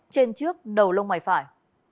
trên trước đầu lông mày phải